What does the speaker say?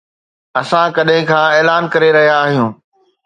اسان ڪڏهن کان اعلان ڪري رهيا آهيون